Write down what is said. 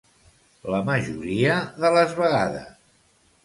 La majoria de les vegades.